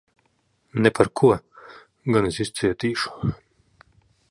Ne par ko! Gan es izcietīšu.